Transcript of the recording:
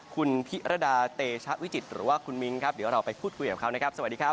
คุณพิรดาเตชะวิจิตหรือว่าคุณมิ้งครับเดี๋ยวเราไปพูดคุยกับเขานะครับสวัสดีครับ